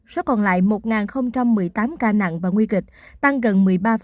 số còn lại một một mươi tám ca nặng và nguy kịch tăng gần một mươi ba